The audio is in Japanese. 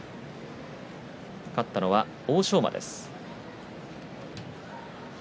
勝ったのは欧勝馬です。